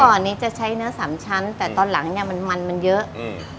ก่อนนี้จะใช้เนื้อสามชั้นแต่ตอนหลังเนี้ยมันมันเยอะอืม